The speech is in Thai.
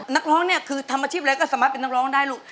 นักร้องเนี่ยคือทำอาชีพอะไรก็สามารถเป็นนักร้องได้ลูก